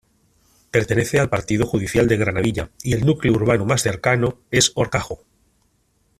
Pertenece al Partido Judicial de Granadilla y el núcleo urbano más cercano es Horcajo.